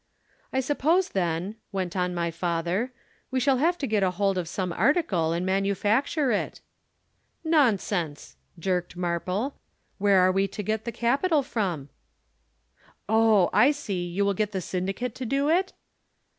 "'"I suppose then," went on my father, "we shall have to get hold of some article and manufacture it." "'"Nonsense," jerked Marple. "Where are we to get the capital from?" "'"Oh, I see you will get the syndicate to do it?"